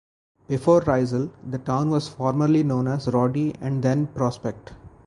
Before Riesel, the town was formerly known as Roddy and then Prospect.